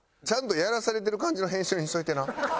ちゃんとやらされてる感じの編集にしといてな。